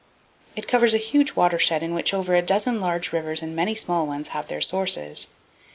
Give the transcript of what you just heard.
It covers a huge watershed in which over a dozen large rivers and many small ones have their sources.